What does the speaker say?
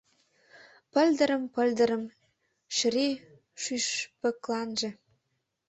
Пыльдырым-пыльдырым шри шӱшпыкланже